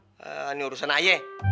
ini urusan ayah